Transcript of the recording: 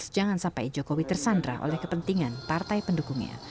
jangan sampai jokowi tersandra oleh kepentingan partai pendukungnya